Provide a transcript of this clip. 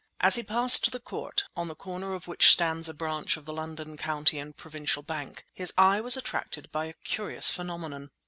As he passed the court, on the corner of which stands a branch of the London County and Provincial Bank, his eye was attracted by a curious phenomenon.